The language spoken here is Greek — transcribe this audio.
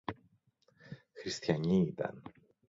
Χριστιανοί ήταν.